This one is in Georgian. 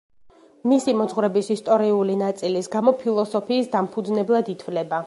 მისი მოძღვრების ისტორიული ნაწილის გამო ფილოსოფიის დამფუძნებლად ითვლება.